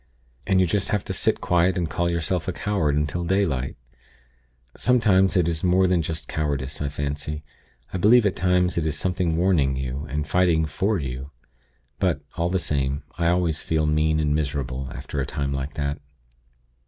And you just have to sit quiet and call yourself a coward until daylight. Sometimes it is more than just cowardice, I fancy. I believe at times it is something warning you, and fighting for you. But, all the same, I always feel mean and miserable, after a time like that.